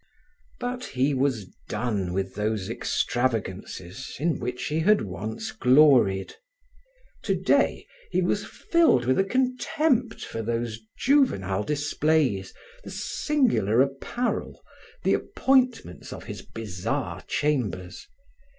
But he was done with those extravagances in which he had once gloried. Today, he was filled with a contempt for those juvenile displays, the singular apparel, the appointments of his bizarre chambers.